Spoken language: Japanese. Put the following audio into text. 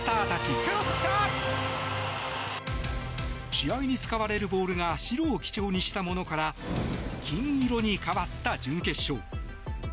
試合に使われるボールが白を基調にしたものから金色に変わった準決勝。